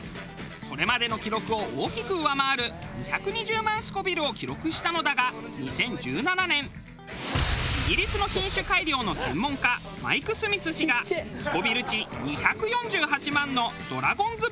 それまでの記録を大きく上回る２２０万スコヴィルを記録したのだが２０１７年イギリスの品種改良の専門家マイク・スミス氏がスコヴィル値２４８万のドラゴンズブレスを開発。